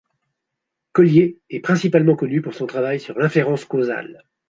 Collier est principalement connu pour son travail sur l'inférence causale.